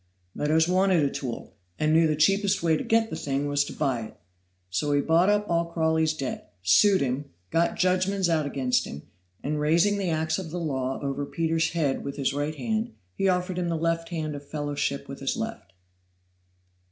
Meadows wanted a tool, and knew the cheapest way to get the thing was to buy it, so he bought up all Crawley's debts, sued him, got judgments out against him, and raising the ax of the law over Peter's head with his right hand, offered him the left hand of fellowship with his left.